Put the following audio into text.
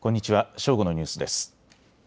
正午のニュースです。